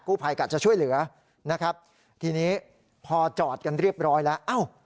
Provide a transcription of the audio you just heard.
กู้ภัยกะจะช่วยเหลือทีนี้พอจอดกันเรียบร้อยแล้ว